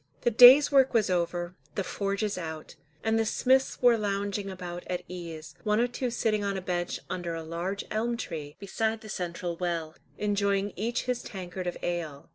The day's work was over, the forges out, and the smiths were lounging about at ease, one or two sitting on a bench under a large elm tree beside the central well, enjoying each his tankard of ale.